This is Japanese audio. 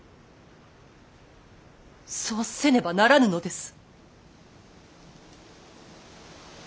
そうせねばならぬのです。